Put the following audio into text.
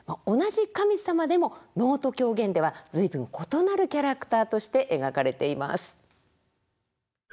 同じ神様でも能と狂言では随分異なるキャラクターとして描かれています。